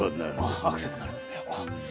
あっアクセントになるんですね。